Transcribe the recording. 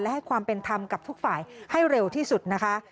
และให้ความเป็นธรรมกับทุกฝ่ายให้เร็วที่สุดนะคะ